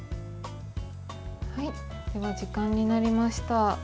では時間になりました。